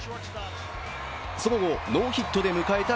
そのあと、ノーヒットで迎えた